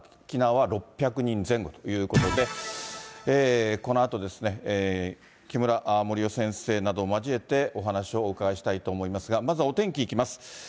沖縄は６００人前後ということで、このあと、木村もりよ先生など交えてお話をお伺いしたいと思いますが、まずはお天気いきます。